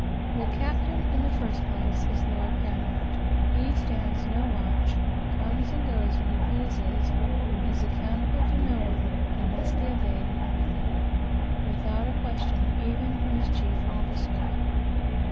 The captain, in the first place, is lord paramount. He stands no watch, comes and goes when he pleases, and is accountable to no one, and must be obeyed in everything, without a question, even from his chief officer.